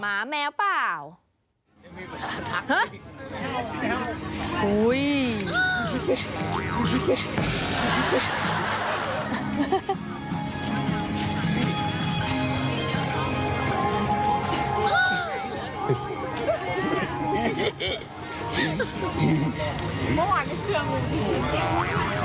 หมาแมวเปล่า